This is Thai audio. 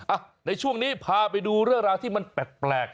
อ่ะในช่วงนี้พาไปดูเรื่องราวที่มันแปลก